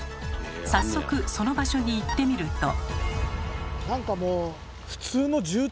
早速その場所に行ってみると。